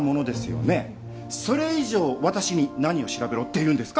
それ以上私に何を調べろっていうんですか？